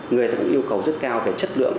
người ta cũng yêu cầu rất cao về chất lượng